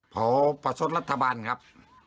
เผาประชดรัฐบาลครับ